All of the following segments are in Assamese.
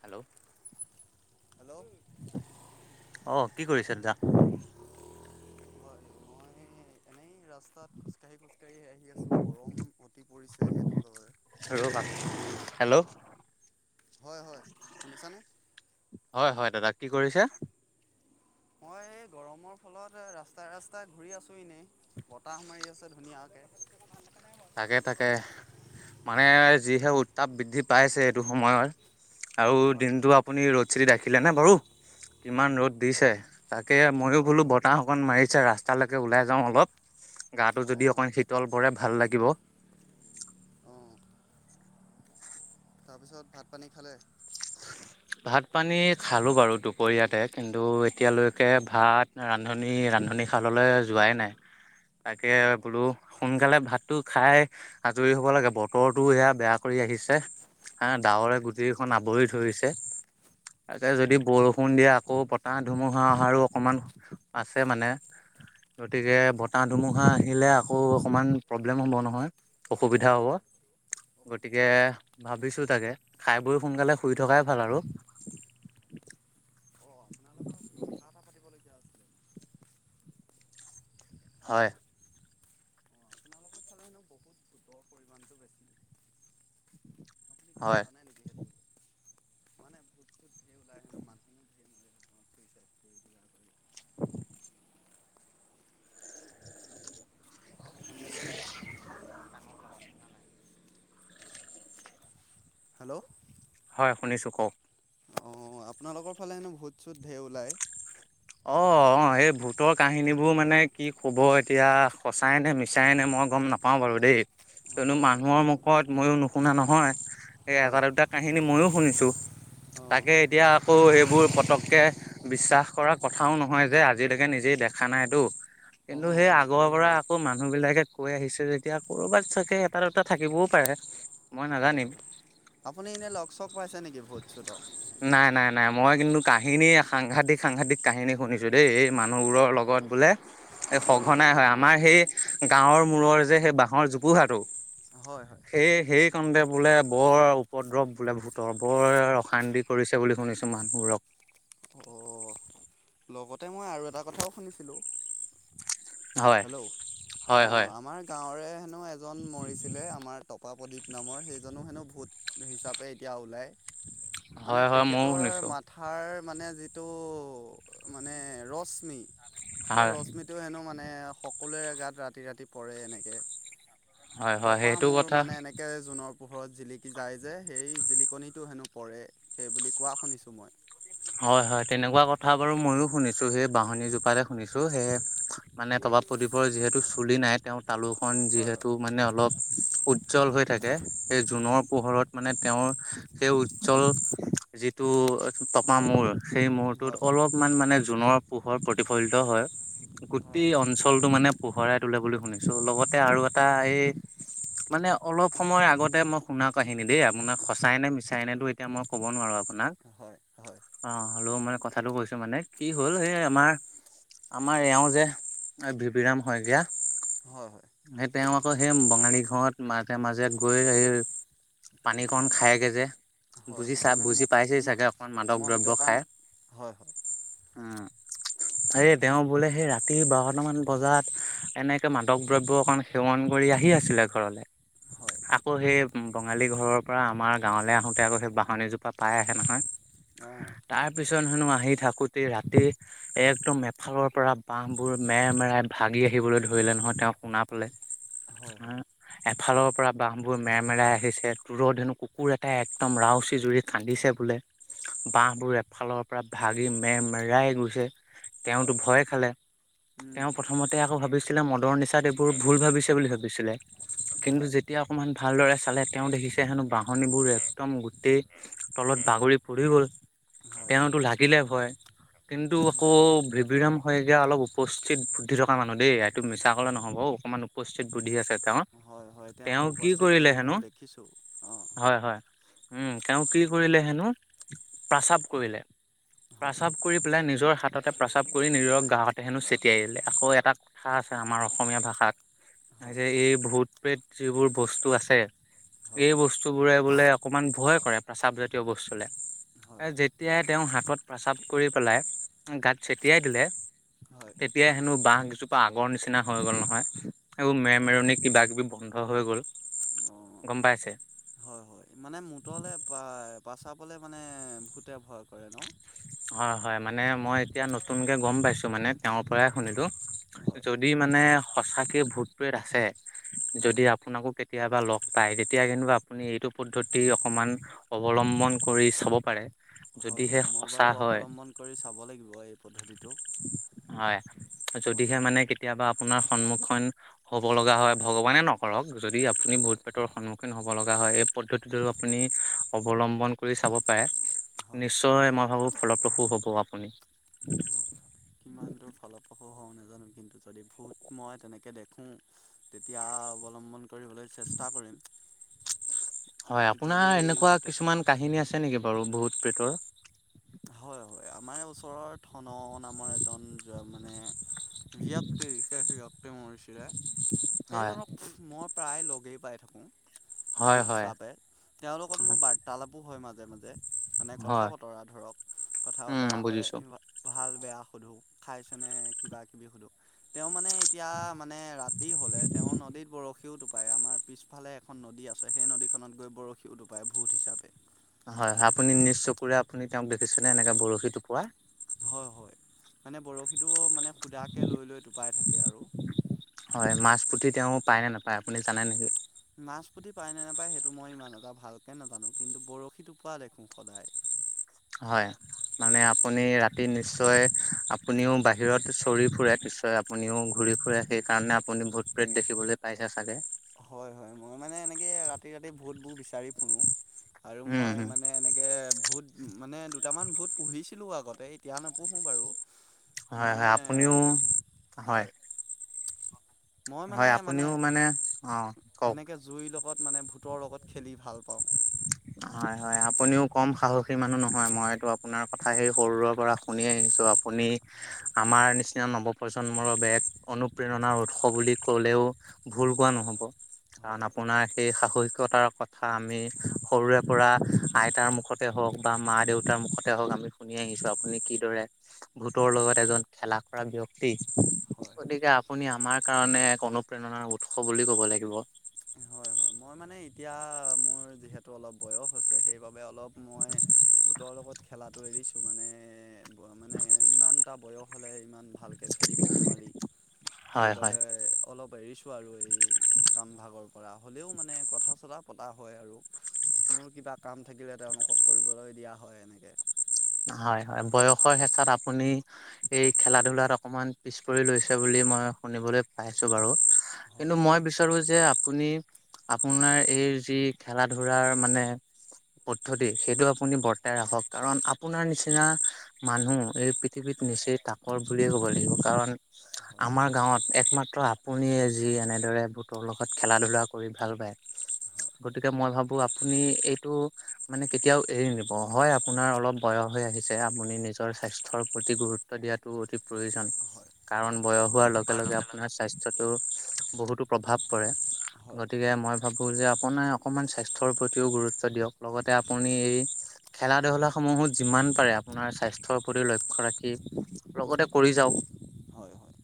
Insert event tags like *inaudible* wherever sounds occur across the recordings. হেল্ল' হেল্ল' অ কি কৰিছে দা হয় মই এনেই ৰাস্তাত খোজ কঢ়ি খোজ কাঢ়ি আহি আছো গৰম উতি পৰিছে সেইটো কাৰণে ৰবা হেল্ল' হয় হয় শুনছা নে হয় হয় দাদাক কি কৰিছে মই এই গৰমৰ ফলত ৰাস্তা ৰাস্তা ঘূৰি আছো নে বতাহ মাৰি আছে ধুনীয়াকে তাকে তাকে মানে যিহে উত্তাপ বৃদ্ধি পাইছে এইটো সময়ত আৰু হয় দিনটো আপুনি ৰ'দ চিতি ৰাখিলে নে বাৰু কিমান ৰ'দ দিছে তাকে ময়ো হয় বোলো হয় বতাহ অকণ মাৰিছে ৰাস্তালৈকে ওলাই যাওঁ অলপ গাটো যদি অঁ অকণ তলবোৰে ভাল লাগিব অঁ তাৰপিছত ভাত পানী খালে ভাত পানী খালোঁ বাৰু দুপৰীয়াতে কিন্তু এতিয়ালৈকে ভাত ৰান্ধনি ৰান্ধনী শাললৈ যোৱাই নাই তাকে অঁ হয় বোলো সোনকালে ভাতটো খাই আজৰি হ'ব লাগে বতৰটো এয়া বেয়া কৰি আহিছে হে ডাৱৰে গুটিখন আৱৰি ধৰিছে। তাকে যদি বৰষুণ দিয়ে আকৌ বতাহ ধুমুহা আহাৰো অকমান আছে মানে। গতিকে বতাহ, ধুমুহা আহিলে আকৌ অকণমান প্ৰব্লেম হ'ব নহয়। অসুবিধা হ'ব গতিকে ভাবিছো তাকে খাই বৈ সোনকালে শুই থকাই ভাল আৰু অঁ আপোনাৰ লগত কথা এটা পাতিবলগীয়া আছিলে হেল্ল' অঁ হয়। অ' পৰিমাণটো বেছি। আপুনি কিবা হয়। জানে নেকি সেইটো মানে *unintelligible* হেনো মানুহ *inaudible* ধেৰ মৰে ঘৰত চুইচাইড কৰি কিবা কৰি *inaudible* শুনি আছেনে? হেল্ল' হয়, শুনিছো কওঁক। অ' আপোনালোকৰ ফালে হেনো ভোত চোত ধেৰ ওলায়। অ' অ' এই ভূতৰ কাহিনীবোৰ মানে কি ক'ব এতিয়া সঁচাই নে মিছাই নে মই গ'ম নাপাওঁ বাৰু দেই কিয়নো হয় হয় মানুহৰ মুখত মইো নুশুনা নহয়। এই হয় এটাৰ দুটা কাহিনী মইয়ো শুনিছো। অ' তাকে এতিয়া আকৌ এইবোৰ পতককে বিশ্বাস কৰক। কথাও নহয়, যে আজিলৈকে নিজেই দেখা নাইতো। কিন্তু অ' সেই আগৰ সেইটোও পৰা হয় আকৌ মানুহ বিলাকে কৈ আহিছে যেতিয়া ক'ৰবাত চাগে এটা দুটা থাকিবও পাৰে। মই হয় নাজানিম। হয় আপুনি এনে লগ চগ পাইছে নেকি ভূত চোতক নাই নাই নাই মই কিন্তু কাহিনী সাংঘাতিক সাংঘাতিক কাহিনী শুনিছো দেই এই মানুহবোৰৰ লগত বোলে। এই সঘনাই হয়। আমাৰ সেই গাঁৱৰ মূৰৰ যে সেই বাঁহৰ জোপোহাটো হয় হয় সেই সেই কণতে বোলে বৰ উপদ্ৰৱ বোলে ভূতৰ বৰ অসান্তি কৰিছে। বুলি শুনিছো মানুহবোৰক অ' লগতে মই আৰু এটা কথাও শুনিছিলোঁ। হয় হেল্ল' হয় হয় অ' আমাৰ গাঁৱৰে হেনো এজন মৰিছিলে আমাৰ টপা প্ৰদীপ নামৰ সেইজনো হেনো ভোট হিচাপে এতিয়া ওলায়। মানে হয় হয় ময়ো তেখেতৰ শুনিছো মাথাৰ মানে যিটো মানে ৰশ্মি সেই হয় ৰশ্মিটো হেনো মানে সকলোৰে গাত ৰাতি ৰাতি পৰে এনেকৈ। হয় হয় তপা সেইটো মূৰৰ কথা মানে এনেকে জোনৰ পোহৰ ঘৰত জিলিকি যায় যে সেই জিলিকনিটো হেনো পৰে, সেই বুলি কোৱা শুনিছোঁ মই। হয়, হয়, তেনেকুৱা কথা বাৰু ময়ো শুনিছো সেই বাহনী জোপাৰে শুনিছো সেয়ে মানে টপা বা প্ৰদীপৰ যিহেতু চুলি নাই। তেওঁ তালোখন হয় যিহেতু হয় মানে অলপ। উজ্জ্বল হৈ থাকে সেই জুনৰ পোহৰত মানে তেওঁৰ সেই উজ্জ্বল যিটো টপা হয় মূৰ সেই মূৰটোত হয় অলপমান মানে জুনৰ পোহৰ প্ৰতিফলিত হয়। গোটেই অঞ্চলটো মানে পোহৰাই তোলে বুলি শুনিছো, লগতে আৰু এটা এই মানে অলপ সময়ৰ আগতে মই শুনা কাহিনী দেই আপোনাক সঁচাই নে মিছাই নেতো এতিয়া মই ক'ব নোৱাৰো আপোনাক। হয় হয় অ' হ'লেও মানে কথাটো কৈছো মানে কি হ'ল এই আমাৰ আমাৰ এওঁ যে ভিভিৰাম শইকীয়া হয়, হয়। সেই তেওঁ আকৌ সেই বঙালী ঘৰত মাজে মাজে গৈ সেই পানী কণ খায়গে যে হয় হয় বুজিছা মানে বুজি ম পাইছেই ম চাগে। অকমান মাদক দ্ৰব্য মদ্যপান খাই হয়, হয়। উম এই তেওঁ বোলে সেই ৰাতি বাৰটামান বজাত এনেকে মাদক দ্ৰব্য অকণ সেৱন কৰি আহি আছিলে ঘৰলৈ হয় আকৌ সেই বঙালী ঘৰৰ পৰা আমাৰ গাঁৱলৈ আহোতে আকৌ সেই বাঁহনি জোপা পাই আহে নহয়। অঁ তাই পিছন হেনো আহি থাকোতে ৰাতি একদম এফালৰ পৰা বহবোৰ মেৰে মেৰা ভাগি আহিবলৈ ধৰিলে নহয় তেওঁ শুনা পালে। হয় হ হয় এফালৰ পৰা বাহবোৰ মেৰামেৰা আহিছে তুৰৰত হেনো কুকুৰ এটটা একদম ৰাওজ কুচি জুৰিত কান্দিছে বোলে। হয় বাঁহবোৰ এফালৰ পৰা ভাগি মেৰ মেৰাই গৈছে। তেওঁতো হয় ভয় খালে। উম তেওঁ প্ৰথমতে আকৌ ভাবিছিলে মদৰ নিচাত এইবোৰ ভুল ভাবিছে বুলি ভাবিছিলে। কিন্তু হয় যেতিয়া অকমান ভালদৰে চালে তেওঁ দেখিছে হেনো বাঁহনিবোৰ একদম গোটেই তলত বাগৰি ফুৰি গ'ল হয় তেওঁতো লাগিলে ভয়। কিন্তু আকৌ ভেভিৰাম শইক অলপ উপস্থিত বুদ্ধি থকা মানুহ দেই এইটো মিছা কলে নহ'ব। অ', অকমান উপস্থিত বুদ্ধি আছে তেওঁৰ। হয় হয় তেওঁ কি উপস্থিত কৰিলে বলিসমূহ হেনো দেখিছোঁ অ', হয়। উম তেওঁ কি কৰিলে হেনো প্ৰস্ৰাৱ কৰিলে। হয় প্ৰস্ৰাৱ কৰি পেলাই নিজৰ হাততে প্ৰস্ৰাৱ কৰি নিজৰ গাঁৱতে হেনো ছটিয়াই দিলে আকৌ এটা কথা আছে আমাৰ অসমীয়া ভাষাত হয় হয় যে এই ভূত প্ৰেত যিবোৰ বস্তু আছে এই বস্তু বোৰে বোলে অকনমান ভয় কৰে প্ৰসাৱ জাতীয় বস্তুলে হয় হয় যেতিয়াই তেওঁ হাতত প্ৰস্ৰাৱ কৰি পেলাই গাত ছটিয়াই দিলে হয় তেতিয়াই হেনো বহ গজোপা আগৰ নিচিনা হৈ গ'ল নহয় এইবোৰ হয় মেৰমেৰণি কিবা কিবি বন্ধ হৈ গ'ল অ', গম পাইছে। হয় হয় মানে মূতলৈ প পাচাবলৈ মানে ভূতে ভয় কৰে ন। হয় হয় মানে মই এতিয়া নতুনকে গম পাইছো মানে তেওঁৰ পৰাই শুনিলো। হয় যদি মানে সঁচাকে ভোতটোৱেত আছে হয় যদি আপোনাকো কেতিয়াবা লগ পাই তেতিয়া কিন্তু আপুনি এইটো পদ্ধতি অকমান অৱলম্ব ভন কৰি চাব পাৰে হয় যদিহে হয় মই সঁচা বাৰু হয় অৱলম্বন কৰি চাব লাগিব এই পদ্ধতিটো। হয়। হয় যদিহে মানে কেতিয়াবা আপোনাৰ সন্মুখন হব লগা হয় ভগৱানে নকৰক যদি আপুনি ভূত হয় পেতৰ সন্মুখীন হব লগা হয় এই পদ্ধতিটো আপুনি অৱলম্বন কৰি চাব পাৰে। হয় নিশ্চয় মই ভাবো ফলপ্ৰসূ হ'ব আপুনি। হয় কিমান দূৰ ফলপ্ৰসূ হওঁ নাজানো কিন্তু যদি ভূত মই তেনেকৈ দেখোঁ তেতিয়া অৱলম্বন কৰিবলৈ চেষ্টা কৰিম। হয় আপোনাৰ যদি এনেকুৱা ভূতে কিছুমান কাহিনী আছে নেকি বাৰু বহুত পেটৰ আমাৰ ওচৰৰ ধন ন নামৰ এজন মানে ব্যক্তি হৈছে সেই ব্যক্তি মোৰছিলে হয় সেইজনক মই প্ৰায় লগেই পাই থাকোঁ হয় ভূত হয় হিচাপে তেওঁলোকত মোৰ বাৰ্তালাপো হয় মাজে মাজে মানে কথা হয় বতৰা ধৰক কথা উম বতৰা হয় বুজিছো ভাল বেয়া। সুধো খাইছনে কিবা কিবি সুধো তেওঁ মানে মে এতিয়া মানে ৰাতি হ'লে তেওঁ নদীত বৰশী সিও টোপাই আমাৰ পিছফালে এখন নদী আছে সেই নদীখনত গৈ বৰশী টোপাই ভূত হিচাপে। হয় হয় আপুনি নিজ চকুৰে আপুনি তেওঁক দেখিছেনেে এনেকে বৰশী টোপোৱা। হয় হয় মানে বৰশীটো মানে সুধাকে লৈ লৈ টোপাই থাকে আৰু। হয় মাছ পুতি তেওঁ পায় নে নাপায় আপুনি জানে নেকি। মাছ পুতি পায় নে নাপায় সেইটো মই ইমান এটা ভালকে নাজানো কিন্তু বৰশীটো পোৱা দেখোঁ সদায়। হয় মানে আপুনি ৰাতি নিশ্চয় আপুনিও বাহিৰত চৰি ফুৰে নিশ্চয় আপুনিও ঘূৰি ফুৰে সেইকাৰণে আপুনি ভোত প্ৰেত দেখিবলৈ পাইছে চাগে। হয় হয় *inaudible* এনেকৈ ৰাতি ৰাতি ভোত বোৰ বিচাৰি ফুৰু আৰু উম মই হম মানে এনেকে ভূত মানে দুটামান ভূত পুহিছিলো আগতে এতিয়া নপুহো বাৰু হয় মানে হয় আপুনিও হয় মই মানে হয় মানে আপুনিও অ কওক এনেকে জুইৰ লগত মানে ভূ ফতৰ লগত খেলি ভাল পাওঁ হয় হয় আপুনিও কম সাহসী মানুহ নহয় মইতো আপোনাৰ কথা সেই সৰুৰ পৰা শুনি আহিছো আপুনি হয় আমাৰ নিচিনা নৱপ্ৰজন্মৰ বাবে অনুপ্ৰেৰণাৰ উৎস বুলি ক'লেও ভুলোৱা হয় হয় নহব কাৰণ হয় আপোনাৰ সেই সাহসিকতাৰ কথা আমি সৰুৰে পৰা আইতাৰ মুখতে হওক বা মা দেউতাৰ মুখতে হওক আমি শুনি আহিছোঁ আপুনি কিদৰে ভূতৰ লগত এজন খেলা কৰা ব্য্ক্তি হয় গতিকে আপুনি আমাৰ কাৰণে অনুপ্ৰেৰণা উৎস বুলি ক'ব লাগিব হয় হয় মই মানে এতিয়া মোৰ যিহেতু অলপ বয়স হৈছে সেইবাবে অলপ মই ভূটৰ লগত খেলাটো এৰিছো মানে মানে ইমান এটা বয়স হলে ইমান ভালকে খেলিব হয় হয় সেইবাবে অলপ এৰিছোঁ আৰু এই কামভাগৰ পৰা হ'লেও মানে কথা চতা পতা হয় আৰু মোৰ কিবা কাম থাকিলে তেওঁলোকক কৰিবলৈ দিয়া হয় এনেকে হয় হয় বয়সৰ হেঁচাত আপুনি এই খেলা ধূলাৰ অকমান পিছ পৰি লৈছে বুলি মই শুনিবলৈ পাইছো বাৰু কিন্তু হয় মই হয় বিচাৰো যে আপুনি আপোনাৰ এই যি খেলা ধুলাৰ মানে পদ্ধতি সেইটো আপুনি বৰ্তাই ৰাখক কাৰণ আপোনাৰ নিচিনা মানুহ এই পৃথিৱীত নিচেই তাকৰ বুলিয়ে ক'ব লাগিব কাৰণ হয় আমাৰ গাঁৱত একমাত্ৰ আপুনিয়ে যি এনেদৰে বোটৰ লগত খেলা ধূলা কৰি ভাল পায় হয় গতিকে মই ভাবো আপুনি এইটো মানে কেতিয়াও এৰি নিদিব হয় আপোনাৰ অলপ বয়স হৈ আহিছে আপুনি নিজৰ স্বাস্থ্যৰ প্ৰতি গুৰুত্ব দিয়াতটো অতি প্ৰয়োজন কাৰণ বয়স হোৱাৰ লগে লগে আপোনাৰ স্বাস্থ্যতো বহুতো প্ৰভাৱ পৰে হয় হয় গতিকে মই ভাবো যে আপোনাৰ অকমান স্বাস্থ্যৰ প্ৰতিও গুৰুত্ব দিয়ক লগতে আপুনি এই খেলা ধূলা সমূহো যিমান পাৰে আপোনাৰ স্বাস্থ্যৰ প্ৰতি লক্ষ্য ৰাখি লগতে কৰি যাওঁ হয় হয়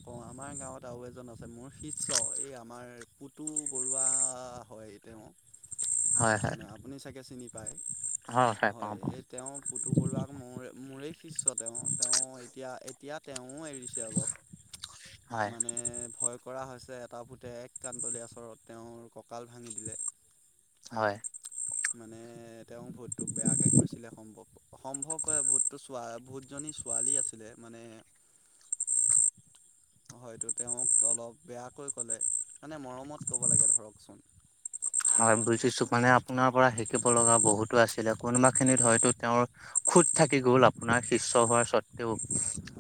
কওঁ আমাৰ গাঁৱত আৰু এজন আছে মোৰ শিষ্য এই আমাৰ পুতু বৰুৱা হয় তেওঁ মানে আপুনি চাগে চিনি পায় হ হয় এই তেওঁ পুতু বৰুৱাক ম মোৰে শিষ্য তেওঁ তেওঁ এতিয়া এতিয়া তেওঁ এৰিছে অলপ হয় মানে ভয় কৰা হৈছে এটা পুতে এক কানদলী আচৰত তেওঁৰ কঁকাল ভাঙি দিলে হয় মানে তেওঁ ভূতটোক বেয়াকে কৈছিলে সম্ভৱ সম্ভৱ হয় ভূততো চোৱা ভহত জনী ছোৱালী আছিলে মানে হয়তো তেওঁক অলপ বেয়াকৈ ক'লে মানে মৰমত *inaudible* হয় বুজিছো মানে আপোনাৰ পৰা শিকিব লগা বহুতো আছিলে হয় হয়। খোজ থাকি গ'ল আপোনাৰ শিষ্য হোৱাৰ স্বত্বেও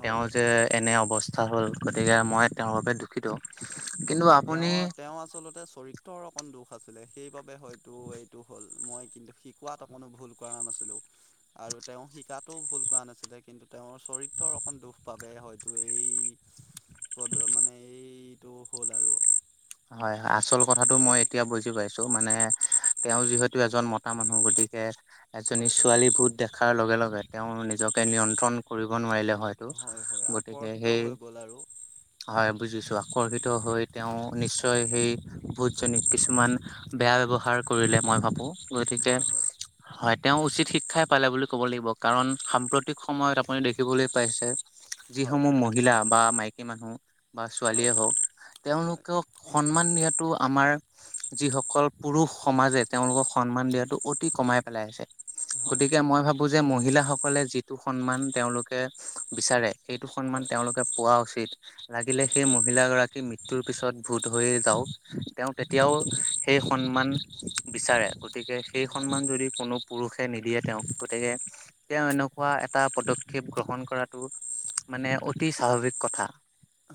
হয় তেওঁ হয়। যে এনে অৱস্থা হল গতিকে মই তেওঁৰ বাবে দুখিত কিন্তু নহয় আপুনি তেওঁ তেওঁ আচলতে চৰিত্ৰৰ অকন দুখ আছিলে সেইবাবে হয়তো এইটো হ'ল মই কিন্তু শিকোৱাত অকণো ভুল কৰা নাছিলোঁ আৰু তেওঁ শতিকাতো ভুল কৰা নাছিলে কিন্তু তেওঁ টো হ'ল আৰু হয় হয় আচল কথাটো মই এতিয়া বুজি পাইছো মানে তেওঁ যিহেতু এজন মতা মানুহ গতিকে এজনী হয় ছোৱালী ভোট দেখাৰ লগে লগে তেওঁ নিজকে নিয়ন্ত্ৰণ কৰিব নোৱাৰিলে হয় হয় গতিকে আকৰ্ষিত সেই হৈ গ'ল আৰু হয় বুজিছো আকৰ্ষিত হৈ তেওঁ নিশ্চয় সেই াৰ কৰিলে মই ভাবো গতিকে হয় হয় হয় তেওঁ উচিত শিক্ষাই পালে বুলি ক'ব লাগিব কাৰণ সাম্প্ৰতিক সময়ত আপুনি দেখিবলৈ পাইছে হয় যিসমূহ মহিলা বা মাইকী মানুহ বা ছোৱালীয়ে হয় হওক হয় তেওঁলোকক সন্মান দিয়াাতটো আমাৰ যিসকল পুৰুষ সমাজে তেওঁলোকক সন্মান দিয়াটো অতি কমাই নাই পেলাই আছে হয় গতিকে মই ভাবো যে মহিলাসকলে যিটো সন্মান তেওঁলোকে বিচাৰে সেইটো সন্মান হয় তেওঁলোকে পোৱা উচিত লাগিলে হয় সেই মহিলাাগৰাকী মৃত্্যুৰ পিছত ভত হৈ যাওঁ তেওঁ তেতিয়াও সেই সন্মান বিচাৰে গতিকে সেই স হয় যদি কোনো পুৰুষে নিদিয়ে তেওঁক গতিকে তেওঁ এনেকুৱা এটা পদক্ষেপ গ্ৰহণ কৰা মানে অতি স্বাভাৱিক কথা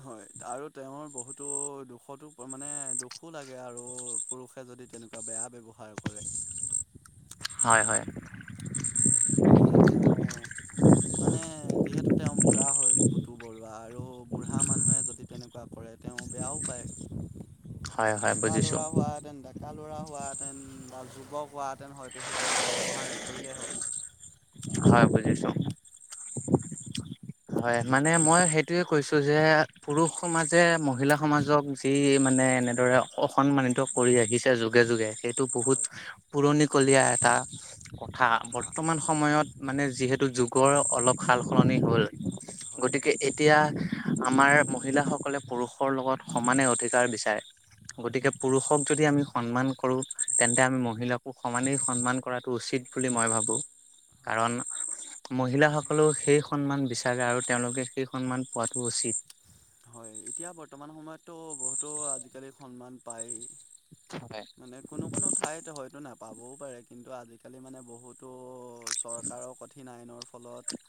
হয় আৰু তেওঁৰ বহুতো দুখতো মানে দুখো লাগে আৰু পুৰুষে যদি তেনেকুৱা বেয়া ব্যৱহাৰ কৰে হয় হয় হয় মানে তেওঁ মানে যিহেতু তেওঁ বুঢ়া হল পুতু বৰুৱা আৰু বুঢ়া মানুহে যদি তেনেকুৱা কৰে তেওঁ বেয়াও পায় হয় হয় ডেকা বুজিছো ল'ৰা হোৱ হেতেন ডেকা লৰা হোৱাহেতেন বা যুৱ হোৱাহেতেন হয়তো সেয়া ব্যৱহাৰ নকৰিলেহ হয়তো হয় বুজিছো হয় মানে বা মই সেইটোয়ে কৈছোঁ যে পুৰুষ সমাজে মহিলা সমাজক যি মানে এনেদৰে অসন্মানিত পৰি আহিছে যগে যগে সেইটো বহুত হয় পুৰণিকলীয়া এটা কথা বৰ্তমান হয় হয় সময়ত মানে যিহেতু যুগৰ অলপ সাল সলনি হ'ল হয় গতিকে এতিয়া আমাৰ মহিলাসকলে পুৰুষৰ লগত সমানে অধিকাৰ বিচাৰে হয় গতিকে পুৰুষক যদি আমি সন্মান কৰো তেন্তে আমি মহিলাকো সমানেই সন্মান কৰাটো উচিত বুলি মই ভাবো হয় কাৰণ মহিলাসকলেও সেই সন্মান বি চাগে আৰু তেওঁলোকে সেই সন্মান পোৱাটো উচিত হয় এতিয়া বৰ্তমান সময়ততো বহুতো আজিকালি সন্মান পায়েই হয় মানে কোনো কোনো ঠাইত হয়তো নাপাবও পাৰে কিন্তু তো আজিকালি মানে বহুতো চৰকাৰৰ কঠিন আইনৰ ফলত